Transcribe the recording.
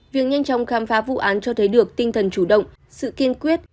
việc nhanh chóng khám phá vụ án cho thấy được tinh thần chủ động sự kiên quyết